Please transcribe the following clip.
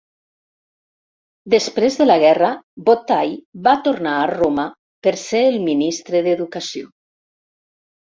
Després de la guerra, Bottai va tornar a Roma per ser el ministre d'Educació.